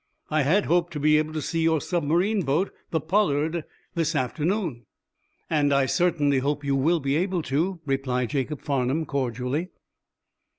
"I had hoped to be able to see your submarine boat, the 'Pollard,' this afternoon." "And I certainly hope you will be able to," replied Jacob Farnum, cordially.